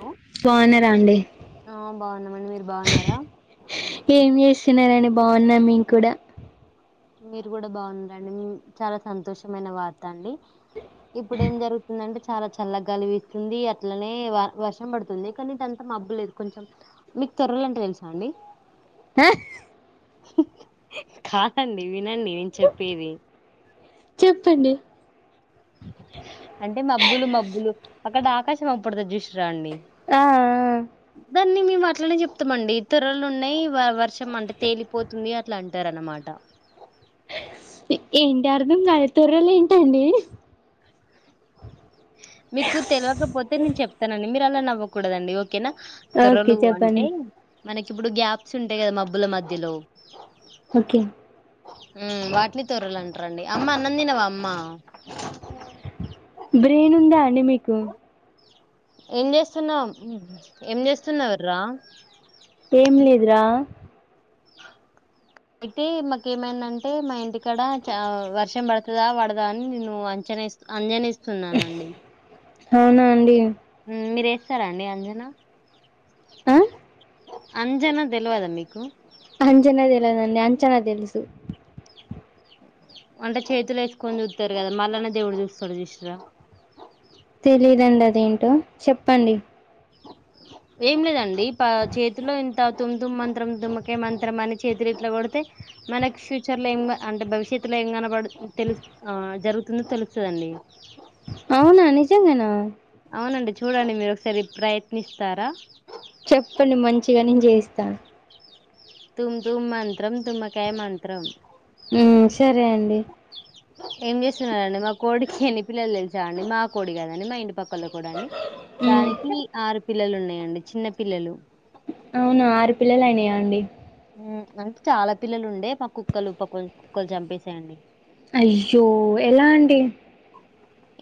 hello బాగున్నారా అండి ఆ బాగున్నామండి మీరు బాగున్నారా ఏం చేస్తునారని బాగున్నా మేం కూడా మీరు కూడా బాగున్నారండి చాలా సంతోషమైన వార్త అండి ఇప్పుడు ఏం జరుగుతుందంటే చాలా చల్లగాలిపిస్తుంది అట్లనే వర్షం పడుతుంది కానీ అంత మబ్బ లేదు కొంచెం త్వర్రలుంటే తెలుసా అండి హా కాదండి వినండి నేను చెప్పేది చెప్పండి అంటే మాబ్బులు మబ్బులు అక్కడ ఆకాశం అ పడుతు చూసిరాండి ఆ కాన్ని మేము అట్లనే చెప్తామండి ఇతరులు ఉన్నాయి వర్షం అంటే తేలిపోతుంది అట్లా అంటారు అనమాట ఆ ఏంటి అర్థం కాగాయ తూరులో ఏంటండి మీకు తెలియకపోతే నేను చెప్తానండి మీరు అలా నవ్వకూడదండి ఓకేనా ఓకే తెర్రలు చెప్పండి అంటే మనకి ఇప్పుడు గ్యాప్స్ ఉంటాయి కదా మబ్బుల మధ్యలో ఓకే వాటిని తొరలు అంటారండి అమ్మ అన్నం తినావ అమ్మ బ్రెయిన్ ఉందా అండి మీకు ఏం చేస్తున్నావు ఏం చేస్తున్నావ్ర్రా ఏం లేదురా అయితే మాక ఏమైందంటే మా ఇంటి కా చ వర్షం పడుతదా పడదా అని నేను వ అంచన అంజనేస్తున్నానండి అవునా అండి మీరేస్తారా అండి అంజనా ఆ అంజనా తెలివదా మీకు అంజనా తెల్వదండి అంచనా తెలుసు అంటే చేతులు ఎసుకొని చూతారు కదా మల్లన్న దేవుడు చూస్తడు చూసిర్ర తెలిదండి అదేంటో చెప్పండి ఏం లేదండి ప చేతిలో ఇంత తుమ్ తమ్ మంత్రం తుమ్మకే మంత్రం అని చేతి లో ఇట్ల కొడితే మనకు ఫ్యూచర్ లో ఏం అంటే భవిష్యత్తులో ఏం కనపడు తెలు ఆ జరుగుతుందో తెలుస్తుందండి అవునా నిజంగానా అవునండి చూడండి మీరు ఒకసారి ప్రయత్నిస్తారా చెప్పండి మంచిగా నేను చేయిస్తాను తుమ్ తుమ్ మంత్రం తుమ్మకై మంత్రం ఉ సరే అండి ఏం చేస్తున్నారండి మా కోడికి ఎన్ని పిల్లలు తెల్సా అండి మా కోడి కదండి మా ఇంటి పక్క ఒక్కలు కూడా అండి ఉమ్ దానికి ఆరు పిల్లలు ఉన్నాయండి చిన్న పిల్లలు అవునా ఆరు పిల్లలు అయినాయా అండి అంటే చాలా పిల్లలు ఉండే ప కుక్కలు ప కొంచ కుక్కలు చంపేసేయండి అయ్యో ఎలా అండి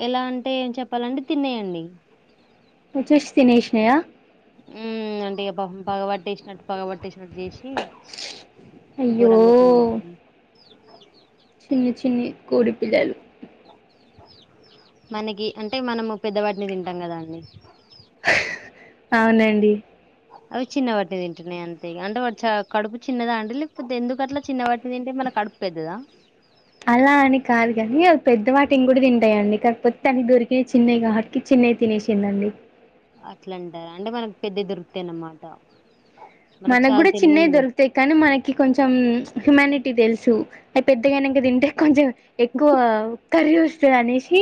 ఎలా అంటే ఏం చెప్పాలండి తిన్నయండి వచ్చేష్ తినేష్నయా ఉ అంటే ఇగ పాపం పగవట్టేసినట్టు పగబట్టేష్ జేషి అయ్యో ఘోరంగా తిన్నయండి చిన్ని చిన్ని కోడి పిల్లలు మనకి అంటే మనము పెద్దవాటిని తింటాం కదా అండి అవునండి అవి చిన్న వాటిని తింటున్నాయి అంతే అంటే వ చ కడుపు చిన్నదా అండి లేకపోతే ఎందుకు అట్లా చిన్న వాటిని తింటయ్ మన కడుపు పెద్దదా అలా అని కాదు గాని అవి పెద్ద వాటిని కూడా తింటాయండి కాకపోతే తన దొరికి చిన్నయి వాటికి చిన్ ని తినేసిందండి అట్లంటారా అంటే మనకు పెద్దయి దొరుకుతాయన్నమాట మనగుడా చిన్నయి దొరుకుతాయి కాని మనకి కొంచెం హ్యూమానిటీ తెల్స్ చు అవి పెద్దగైనంక ఇంక తింటే కొంచెం ఎక్కువ కర్రీ వస్తది అనేసి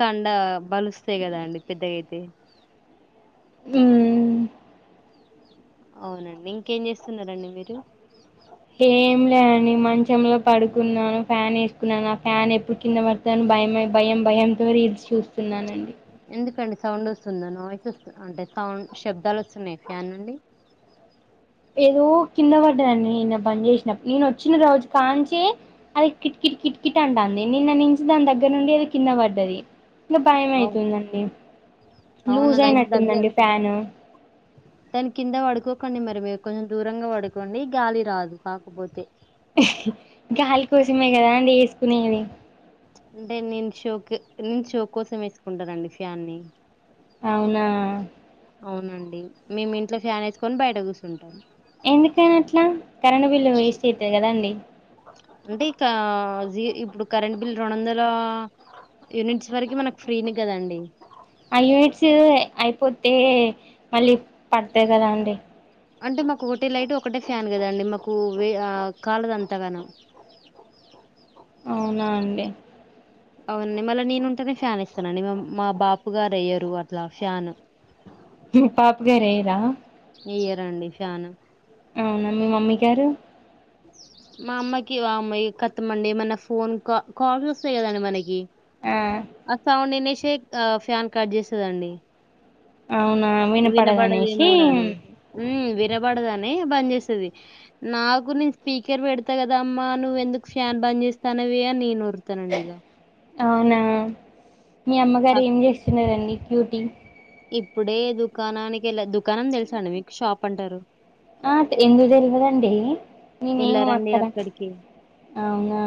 కండ బలుస్తాయి కదండి పెద్దగైతే ఊ అవునండి ఇంకేం చేస్తున్నారండి మీరు ఏం లే అండి మంచంలో పడుకున్నాను ఫ్యాన్ ఏసుకున్నాను ఆ ఫ్యాన్ ఎప్పుడు కింద పడ్తన్ బైమై భయం భయంతో రీల్స్ చూస్తున్నానండి సౌండోస్తుందా నాయిస్ సోసు అంటే థౌండు శబ్దాలోసునై ఫ్యానుండి ఏదో కింద వడ్డదండి నిన్న పన్ జే ష్ నప్ నేనోచ్చిన రోజు కాంచి అది కిట్ కిట్ కి కిట్ కిట్ అంటాంది నిన్న నుంచి దాన్ దగ్గనుండి ఎదో కింద పడ్డది ఇంగ అవు బైవైతుందండి అవును అది అయితే దగ్గర లూజైనట్టుందండి ఫ్యాను దాని కింద వడుకోకండి మరి మీర్ కొంజ్ దూరంగా వడుకోండి గ్యాలి రాదు కాకపోతే హ్ గాలి కోసమే గాదాండి యేసుకునేది అంటే నేన్ షోకే నేన్ షో కోసమే వేసుకుంటానండి ఫ్యాన్ ని ఔనా ఔనండి మేమ్ ఇంట్లో ఫ్యాన్ ఏసుకొన్ బైట గుసుంటాం ఎందుకైన్ అట్లా కరెంట్ బిల్లు వేస్టైతది గదండీ అంటే ఇకా జి ఇప్పుడు కరరెంట్ బిల్ రొదండల యూనిట్స్ వర్కి మనక్ ఫ్రీని గదండి ఆ యూనిట్స్ ఏ ఐపోతే మళ్ళీ పడతాయి గదాండి అంటే మాకు ఒకటే లైటు ఒకటే ఫ్యాన్ గదాండి మాకు వే కాలదంతాగనం స ఔనా అండి ఔవన్ మళ్ళీ నేనుంటేనే ఫ్యానేస్తానండి మ మా బాపు గారు యేయ్యారు అట్లా ఫ్యాను అ హ్ పాప్ గార్ ఏయ్ రా ఎయ్యారండి ఫ్యాను యారు మా అమ్మాకి వమై కతమండి ఏ మన్నా ఫోన్ కా కాల్ సోస్తాయి గదండి మనకి ఆ ఆ సౌండ్ ఇనేషే ఆ ఫ్యాన్ కట్ జేసదండి అవునా వినపడదనేసి వినబడదేమోనని హ్మ్ వే ఇనబడదనే బన్ జెస్తది నాగునీన్ స్పీకర్ పెడతా కదమ్ ఆ అమ్ నువెందుకు ఫ్యాన్ బన్ బన్ జేస్తానవే అన్ నేన్ ఓర్ తనండి ఇగ ఔనా మీ అమ్మగార్ అప్ ఏం జేస్తున్నారండి క్యూటీ ఇప్పుడే దుకాణాని కేళ్ళ దుకాణం దేల్సండీ మీకు షాపంటరు ఆ ఎందు తెల్వదండి నేనేమ్ ఎళ్ళారండి అక్కడ అక్కడికి ఔనా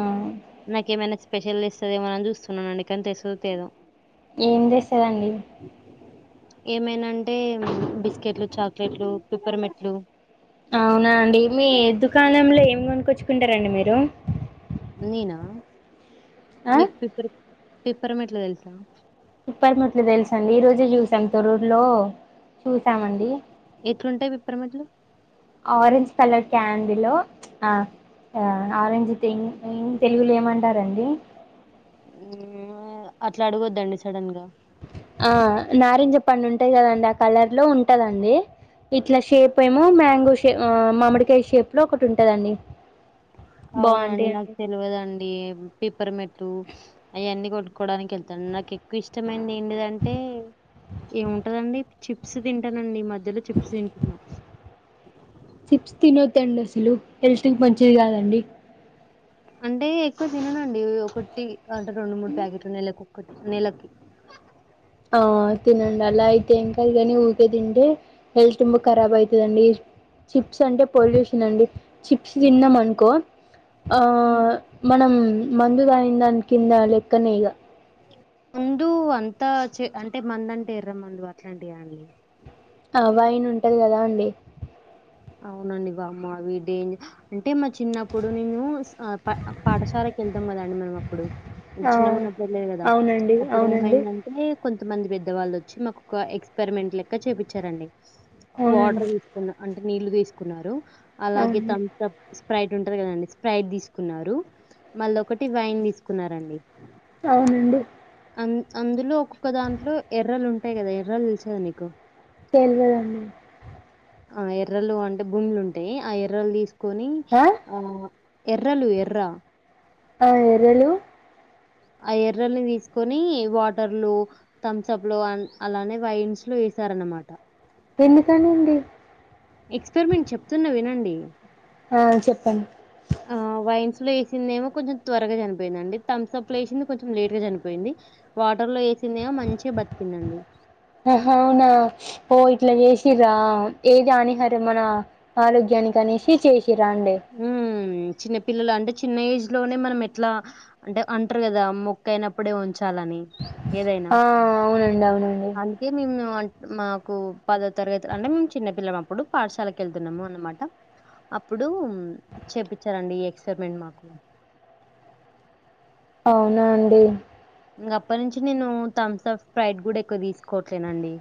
నాకేమైనా స్పెషల్ దేస్తదేమో ఎవన్ జూస్తున్నానండి కానీ తెస్ దో తేదో ఏం దేస్సదండి ఏమైనంటే బిస్కెట్లు చాక్లెట్లు పిపర్ మెట్లు ఔనాండి మీ దుకాణంలో ఏమ్ కొనుగోచ్చుకుంటారండి మీరు నేనా ఆ మీక్ పిపర్ పిప్పర మేట్లు తెల్సా పీప్పర్ మేట్లు తెల్సండీ ఈ రోజే జూసాం తొరూర్లో చూసామండి ఎట్లుంటాయి పిప్పరమెట్లు ఆరెంజ్ కలర్ క్యాడిలో ప్చ్ ఆ ఆ ఆరెంజి థింగ్ మీన్స్ తెలుగులో ఏమంటారండి ఉమ్ మ్య అట్లాడగొద్దండి సడన్ గా ఆ నారింజ పండుంటాయి కదండి ఆ కలర్ లో ఉంటదండి ఇట్లా షేప్ ఏమో మ్యాంగో షే ఆ మామిడ్ కాయ్ షేప్ లో ఒకటుందండి ఔనాండి నాక్ తెల్వదండి పిప్పర మెట్టు ఐఅన్నీ గోట్టు కోడాన్ కి ఎల్ తన్ నాక్ ఎక్కు ఇష్టమైంద్ ఏండీదంటే ఏముంటదండి చిప్స్ తింటానండి మధ్య మద్ద్యలో చిప్స్ తింటున్నాం లు హెల్త్ కి మంచిది కాదండి అంటే ఎక్కువ తిననుండి ఒకటి అంటే రెండు మూడు ప్యాకెట్లు నెలకు ఒకటి నెలకి ఆ తినండి అలా అయితే ఇంకాది కాని ఊరికే తింటే హెల్త్ తం ఖరాబ్ అవుతదండి చిప్స్ అంటే పొల్యూషన్ అండి చిప్స్ తిన్నాం అనుకో ఆ మనం మందు తాగిందని కింద లెక్కనే ఇగ ముందు అంతా చే అంటే మంద అంటే ఎర్రమందు అట్లాంటివి కాని అ వైన్ ఉంటది కదా అండి అవునండి బామ్మ అవి డేంజ అంటే మా చిన్నప్పుడు నేను పాఠశాల కిళ్తాం కదా అండి మనం అప్పుడు అంటే చిన్నగాన్నప్పుడు వెళ్ళదు కదా అప్పుడు ఏమైందంటే కొంతమంది పెద్దవాళ్ళు వచ్చి మాకు ఒక ఎక్స్పెరిమెంట్ లెక్క చేపించారండి వాటర్ తీసుకున్న అంటే నీళ్లు తీసుకున్నారు అలాగే థమ్స్ అప్ స్ప్రైట్ ఉంటది కదండి స్ప్రైట్ తీసుకున్నారు మళ్ళ ఒకటి వైన్ తీసుకున్నారండి అవునండి అ అందులో ఒక్కొక్క దాంట్లో ఎర్రలు ఉంటాయి కదా ఎర్రలు తెలుసుకదా నీకు తెల్వదండి ఆ ఎర్రలు అంటే భూమిలు ఉంటాయి ఆ ఎర్రలు తీసుకొని ఆ ఎర్రలు ఎర్ర ఆ ఎర్రలు ఆ ఎర్రల్ని తీసుకొని వాటర్లు థమ్స్ అప్ లో అలానే వైన్స్ లో విసారణ మాట ఎందుకనండి ఎక్స్పరిమెంట్ చెప్తున్నా వినండి ఆ చెప్పండి ఆ వైన్స్ లో వేసిందేమో కొంచెం త్వరగా చనిపోయింద అండి థమ్స్ అప్ లో వేసింది కొంచెం లేట్ గా చనిపోయింది వాటర్ లో వే సినేమా మంచిగా బతికిందండి ఆహా అవునా ఓ ఇట్లా చేసిరా ఏది హానిహార మన ఆరోగ్యం అ కనేషి చేసిర అండి ఉమ్ చిన్న పిల్లలు అంటే చిన్న ఏజ్ లోనే మనం ఎట్లా అంటే అంటారు కదా మొక్క అయినప్పుడే ఉంచాలని ఏదైనా ఆ అవునండి అవునండి అందుకే మేము అంటే మాకు పదో తరగతి అంటే మేము చిన్నపిల్ల అప్పుడు పాఠశాలకు వెళ్తున్నాము అన్నమాట అప్పుడు చేపించారండి ఈ ఎక్స్పెరిమెంట్ మాకు అవునా అండి ఇంకప్పటి నుంచి నేను థమ్స్ ఆఫ్ స్ప్రైట్ కూడా ఎక్కువ తీసుకోవట్లేనండి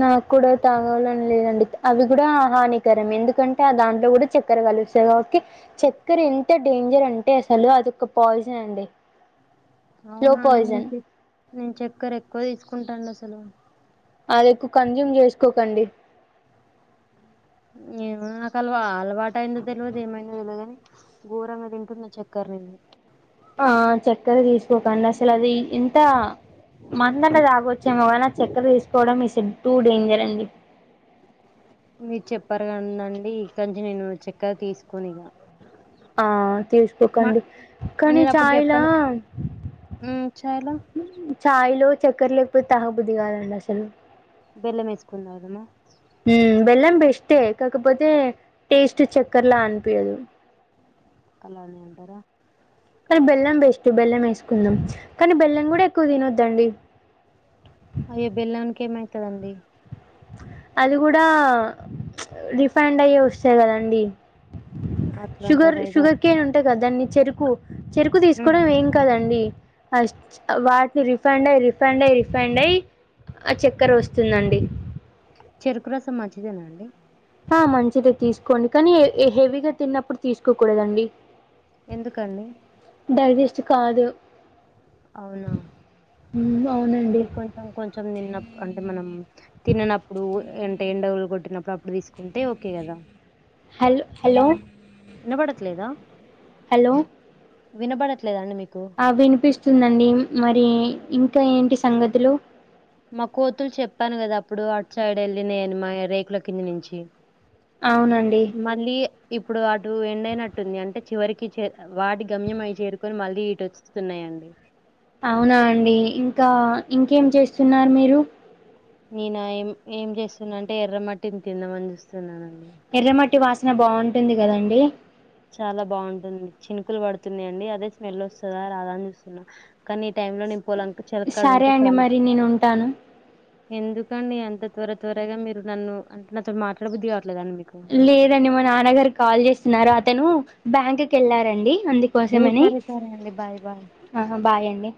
నాకు కూడా తాగాలని లేదండి అవి కూడా హానికరం ఎందుకంటే ఆ దాంట్లో కూడా చక్కరగా ఓకే చక్కెర ఎంత డేంజర్ అంటే అసలు అదొ ఒక పాయిజన్ అండి స్లో పాయిజన్ అవునాండి నేను చక్కర ఎక్కువ తీసుకుంటాను అసలు అది ఎక్కువ కన్జ్యూమ్ చేసుకోకండి ఎ నాకు అల అలవాటు అయిందో తెలియదు ఏమైందో తెలియని గోరంగా తింటున్న చక్కర్ నేను ఆ చక్కగా తీసుకోకండి అసలు అది ఇంత మందన్న తగ్గొచ్చేమోగని చక్కర తీసుకోవడం ఇట్స్ ఎ టూ డేంజర్ అండి మీరు చెప్పారు కందండి ఇక్కనుంచి నేను చక్కగా తీసుకోనిగా ఆ తీసుకోకండి కానీ నేను అప్పుడు ఛాయలా చెప్పాను మ్మ్ చాయలో ఛాయ్లో చక్కెర లేకపోతే తగబుద్ధి కాదండి అసలు బెల్లమేసుకొని తాగుదామా ఉమ్ బెల్లం బెస్టే కాకపోతే టేస్ట్ చక్కర్లా అనిపియదు అలానే అంటారా కానీ బెల్లం బెస్ట్ బెల్లం వేసుకుందాం కానీ బెల్లం కూడా ఎక్కువ తినొద్దండి అయ్య బెల్లానికేమైతదండి అది కూడా రిఫండ్ అయ్యే వస్తాయి కదండి అట్లా షుగర్ అంటారు ఇగ షుగర్ కేన్ ఉంటాయి కదా దాన్ని చెరుకు చెరుకు ఉమ్, తీసుకోవడం ఏం కాదండి వాటిని రిఫండ్ అయ్ రిఫండ్ అయ్ రిఫండ్ అయి ఆ చక్కెర వస్తుందండి చెరుకు రసం మంచిిదేనా అండి ఆ మంచిదే తీసుకోండి కానీ హెవీగా తిన్నప్పుడు తీసుకోకూడదండి ఎందుకండి డైజెస్ట్ కాదు అవునా మ్మ్, అవునండి అంటే కొంచెం కొంచెం తిన్న అంటే మనం తిననప్పుడు అంటే ఎండలు కొట్టినప్పుడు అప్పుడు తీసుకుంటే ఓకే కదా హల్ హలో వినబడట్లేదా హలో వినబడట్లేదండి మీకు ఆ వినిపిస్తుందండి మరి ఇంకా ఏంటి సంగతులు మా కోతులు చెప్పాను కదా అప్పుడు అవుట్ సైడ్ వెళ్ళిినేను మా రేకుల కింద నుంచి అవునండి మళ్ళీ ఇప్పుడు అటు ఎండయినట్టుంది అంటే చివరికి వాటి గమ్య మావి చేరుకొని మళ్ళీ ఇటు వస్తున్నాయ్ అండి అవునా అండి ఇంకా ఇంకేం చేస్తున్నారు మీరు నేను ఏం ఏం చేస్తున్నా అంటే ఎర్రమట్టిని తిందామని చూస్తున్నా అండి ఎర్రమట్టి వాసన బాగుంటుంది కదండి చాలా బాగుంటుంది చినుకులు పడుతున్నాయ్ అండి అదేస్మెల్ వస్తదా రాదా అని చూస్తున్నా కానీ ఈ టైం లో నేను పొలం చెలక్కడ సరే ఉంటే అండి చాలా బా మరి నేను ఉంటాను ఎందుకండి అంత త్వర త్వరగా మీరు నన్ను అంటే నాతో మాట్ల బుద్ది క లేదండి మా నాన్నగారు కాల్ చేస్తున్నారు అతను బ్యాంక్కి వెళ్ళారండి ఓ అందుకోసమని సరే సరే అండి బాయ్ బాయ్ ఆ బాయ్ అండి